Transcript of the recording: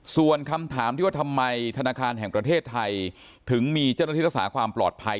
ส่วนคำถามที่ว่าทำไมธนาคารแห่งประเทศไทยถึงมีเจ้าหน้าที่รักษาความปลอดภัย